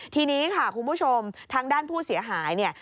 ทีนี้ค่ะคุณผู้ชมทางด้านผู้เสียหายเนี่ย